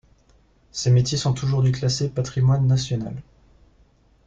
Ces métiers sont aujourd'hui classés patrimoine national.